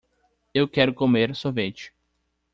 Eu quero comer sorvete